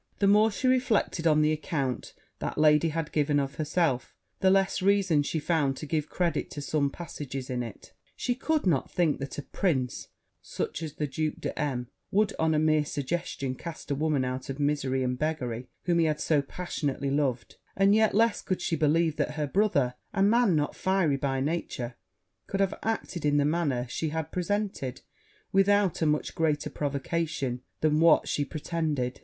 The more she reflected on the account that lady had given of herself, the less reason she found to give credit to some passages in it: she could not think that a prince, such as the Duke of M , would, on a mere suggestion, cast a woman out to misery and beggary, whom he had so passionately loved; and yet less could she believe that her brother, a man not fiery by nature, could have acted in the manner she had represented, without a much greater provocation than what she pretended.